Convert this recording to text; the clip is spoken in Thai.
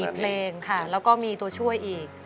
อีกเพลงค่ะแล้วก็มีตัวช่วยอีก